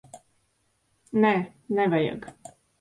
Nē, nevajag.